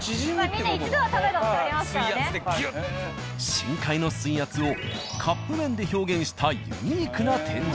深海の水圧をカップ麺で表現したユニークな展示。